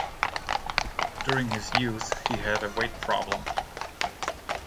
During his youth, he had a weight problem.